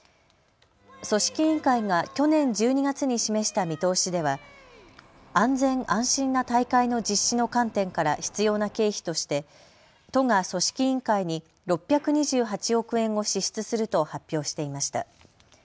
組織委員会が去年１２月に示した見通しでは安全、安心な大会の実施の観点から必要な経費として都が組織委員会に６２８億円を支出すると発表していました。